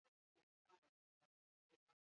Gehienak emakumeak, haurrak eta adineko jendea dira.